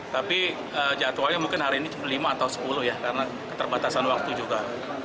tapi jadwalnya mungkin hari ini lima atau sepuluh ya karena keterbatasan waktu juga